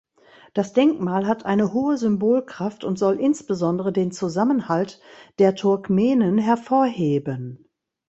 Das Denkmal hat eine hohe Symbolkraft und soll insbesondere den Zusammenhalt der Turkmenen hervorheben.